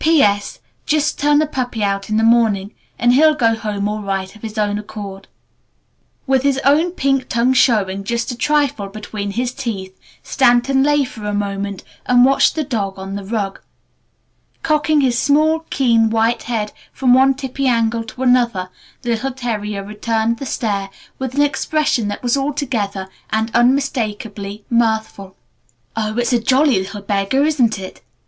"P. S. Just turn the puppy out in the morning and he'll go home all right of his own accord." With his own pink tongue showing just a trifle between his teeth, Stanton lay for a moment and watched the dog on the rug. Cocking his small, keen, white head from one tippy angle to another, the little terrier returned the stare with an expression that was altogether and unmistakably mirthful. "Oh, it's a jolly little beggar, isn't it?"